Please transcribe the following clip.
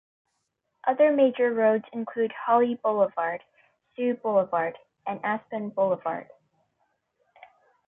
Other major roads include Holly Boulevard, Sioux Boulevard, and Aspen Boulevard.